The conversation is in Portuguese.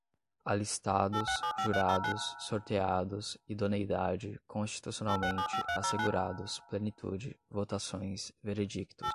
alistados, jurados, sorteados, idoneidade, constitucionalmente, assegurados, plenitude, votações, veredictos